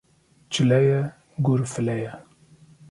Çile ye, gur file ye